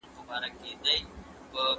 ما خپل فکر بدل کړ.